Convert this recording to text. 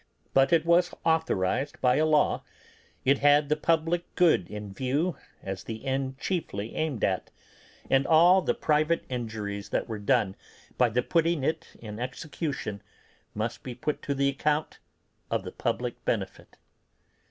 But it was authorised by a law, it had the public good in view as the end chiefly aimed at, and all the private injuries that were done by the putting it in execution must be put to the account of the public benefit.